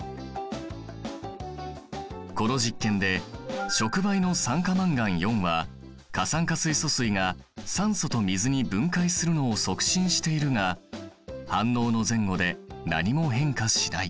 この実験で触媒の酸化マンガンは過酸化水素水が酸素と水に分解するのを促進しているが反応の前後で何も変化しない。